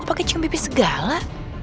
kok pake cium pipih segala